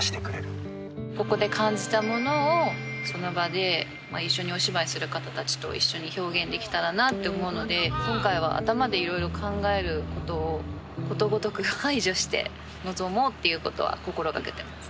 ここで感じたものをその場で一緒にお芝居する方たちと一緒に表現できたらなと思うので今回は頭でいろいろ考えることをことごとく排除して臨もうっていうことは心がけてます。